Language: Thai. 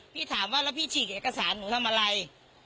พี่ถามว่าแล้วพี่ฉีกเอกสารหนูทำอะไร